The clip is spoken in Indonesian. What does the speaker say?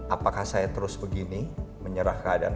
apakah saya terus begini menyerah keadaan